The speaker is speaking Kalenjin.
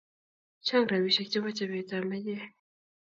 chang rapishek che po chape ab maiyek